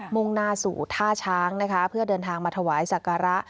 มุ่งหน้าสู่ท่าช้างนะคะเพื่อเดินทางมาถวายสักการะ